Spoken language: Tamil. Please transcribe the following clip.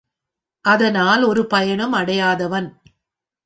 அதனால் ஒரு பயனும் அடையாதவன்.